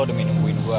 demi nungguin gue